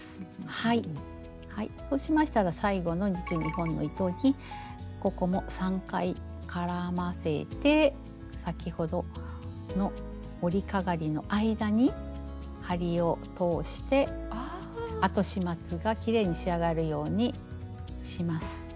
はいそうしましたら最後の２２本の糸にここも３回絡ませて先ほどの織りかがりの間に針を通して後始末がきれいに仕上がるようにします。